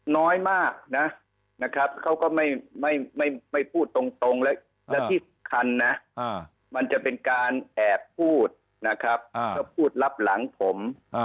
น้อยมากนะนะครับเขาก็ไม่พูดตรงและที่สำคัญนะมันจะเป็นการแอบพูดนะครับก็พูดรับหลังผม